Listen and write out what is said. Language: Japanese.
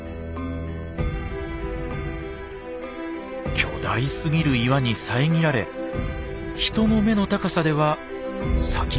巨大すぎる岩に遮られ人の目の高さでは先がほとんど見えません。